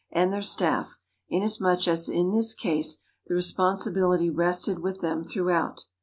and their staff, inasmuch as in this case the responsibility rested with them throughout.